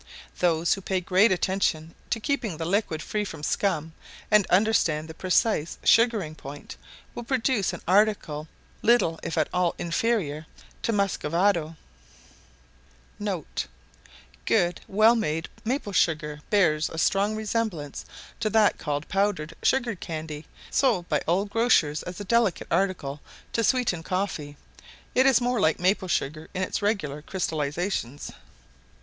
Those who pay great attention to keeping the liquid free from scum, and understand the precise sugaring point, will produce an article little if at all inferior to muscovado*. [* Good well made maple sugar bears a strong resemblance to that called powdered sugar candy, sold by all grocers as a delicate article to sweeten coffee; it is more like maple sugar in its regular crystallizations.